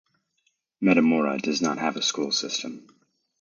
Metamora does not have a school system.